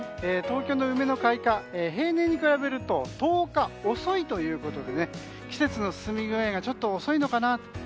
東京の梅の開花、平年に比べると１０日遅いということで季節の進み具合がちょっと遅いのかな。